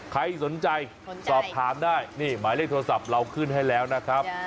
ใครสนใจสอบถามได้นี่หมายเลขโทรศัพท์เราขึ้นให้แล้วนะครับ